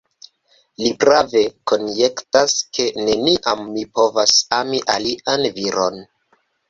Li prave konjektas, ke neniam mi povos ami alian viron.